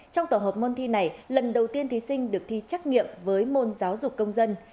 trong tổ hợp môn thi này lần đầu tiên thí sinh được thi trắc nghiệm với môn giáo dục công dân